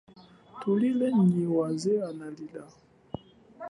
Thulile nyi waze analila.